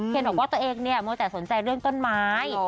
บอกว่าตัวเองเนี่ยมัวแต่สนใจเรื่องต้นไม้